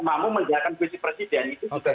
mau menjahatkan visi presiden itu juga